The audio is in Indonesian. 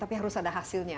tapi harus ada hasilnya